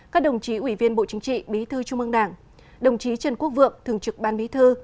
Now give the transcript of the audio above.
các đồng chí ủy viên bộ chính trị bí thư trung ương đảng đồng chí trần quốc vượng thường trực ban bí thư